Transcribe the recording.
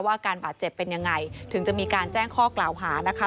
อาการบาดเจ็บเป็นยังไงถึงจะมีการแจ้งข้อกล่าวหานะคะ